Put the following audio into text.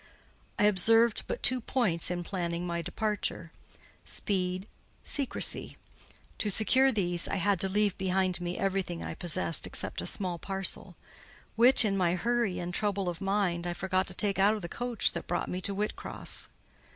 I observed but two points in planning my departure—speed, secrecy: to secure these, I had to leave behind me everything I possessed except a small parcel; which, in my hurry and trouble of mind, I forgot to take out of the coach that brought me to Whitcross.